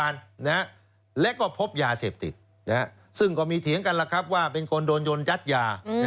ยัดยาเสพติดซึ่งก็มีเถียงกันว่าเป็นคนโดนยนต์ยัดยา